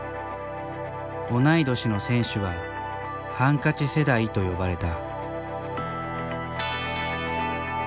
同い年の選手は「ハンカチ世代」と呼ばれた。